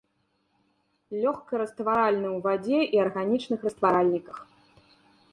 Лёгка растваральны ў вадзе і арганічных растваральніках.